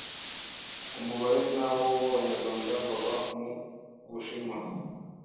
Umubare nyawo w'Abanyarwanda baba mu Bushinwa